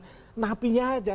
bukan napinya saja